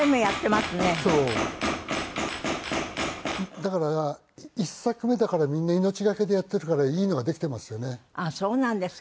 だから１作目だからみんな命懸けでやっているからいいのができていますよね。